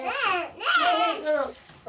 ねえ！